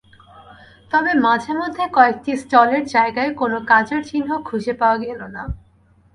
তবে মাঝেমধ্যে কয়েকটি স্টলের জায়গায় কোনো কাজের চিহ্ন খুঁজে পাওয়া গেল না।